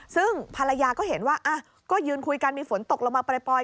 ซึ่งภรรยาก็เห็นว่าก็ยืนคุยกันมีฝนตกลงมาปล่อย